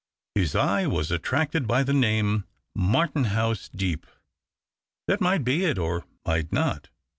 His eye was attracted by the name Martenliuis Deep. That might be it or might not.